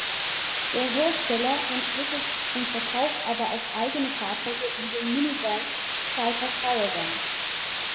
Der Hersteller entwickelt und verkauft aber auch eigene Fahrzeuge wie den Minivan "Saipa Caravan".